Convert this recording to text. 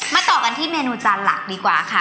ต่อกันที่เมนูจานหลักดีกว่าค่ะ